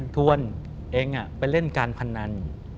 ทวนเองไปเล่นการพนัน